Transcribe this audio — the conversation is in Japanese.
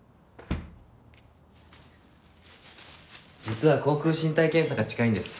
実は航空身体検査が近いんです。